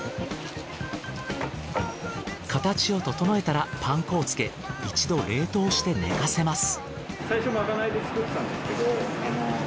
形を整えたらパン粉をつけ一度冷凍して寝かせます。